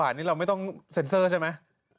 เธอเรองก็ไม่ต้องเซ็นเซอร์ใช่มั้ย